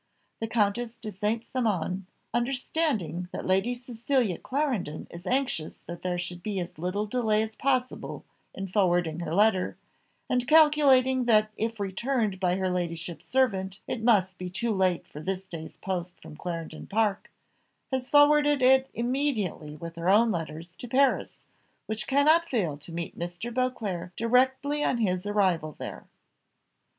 The Comtesse de St. Cymon, understanding that Lady Cecilia Clarendon is anxious that there should be as little delay as possible in forwarding her letter, and calculating that if returned by her ladyship's servant it must be too late for this day's post from Clarendon Park, has forwarded it immediately with her own letters to Paris, which cannot fail to meet Mr. Beauclerc directly on his arrival there.